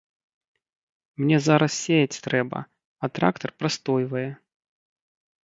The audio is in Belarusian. Мне зараз сеяць трэба, а трактар прастойвае.